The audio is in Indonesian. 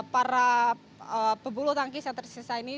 para pebulu tangkis yang tersisa ini